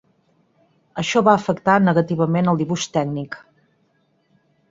Això va afectar negativament el dibuix tècnic.